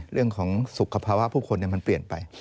เรื่องของสุขภาวะผู้คนมันเปลี่ยนไป